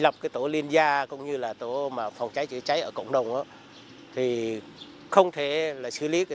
lập cái tổ liên gia cũng như là tổ phòng cháy chữa cháy ở cộng đồng thì không thể là xử lý cái